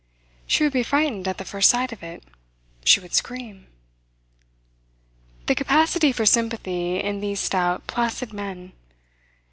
She would be frightened at the first sight of it. She would scream. The capacity for sympathy in these stout, placid men!